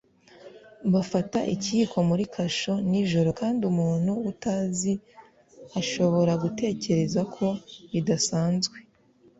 Bafata ikiyiko muri kasho nijoro kandi umuntu utazi ashobora gutekereza ko bidasanzwe